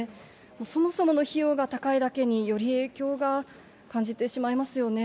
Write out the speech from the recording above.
そもそもの費用が高いだけに、より影響が感じてしまいますよね。